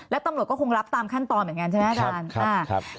แล้วตำรวจก็คงรับตามขั้นตอนเหมือนกันใช่ไหมอาจารย์